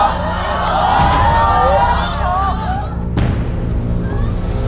เข้ามา